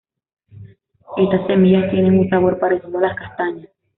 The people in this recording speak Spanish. Estas semillas tienen un sabor parecido a las castañas.